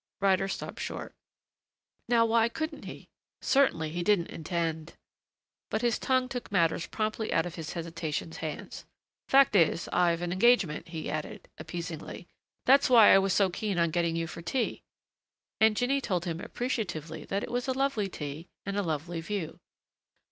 Ryder stopped short. Now, why didn't he? Certainly he didn't intend But his tongue took matters promptly out of his hesitation's hands. "Fact is, I've an engagement." He added, appeasingly, "That's why I was so keen on getting you for tea." And Jinny told him appreciatively that it was a lovely tea and a lovely view.